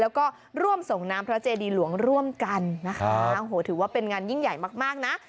แล้วก็ร่วมส่งน้ำพระเจดีหลวงร่วมกันนะคะโอ้โหถือว่าเป็นงานยิ่งใหญ่มากมากนะ